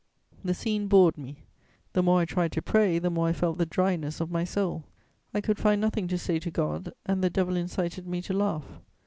The scene bored me; the more I tried to pray, the more I felt the dryness of my soul. I could find nothing to say to God, and the devil incited me to laugh.